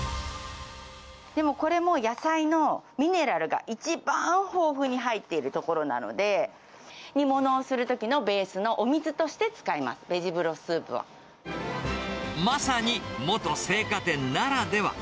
でもこれも野菜のミネラルが一番豊富に入っているところなので、煮物をするときのベースのお水として使います、まさに、元青果店ならでは。